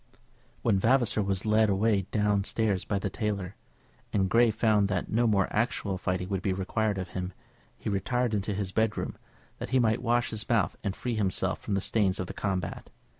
When Vavasor was led away down stairs by the tailor, and Grey found that no more actual fighting would be required of him, he retired into his bedroom, that he might wash his mouth and free himself from the stains of the combat.